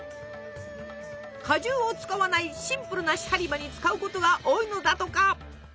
果汁を使わないシンプルなシャリバに使うことが多いのだとか。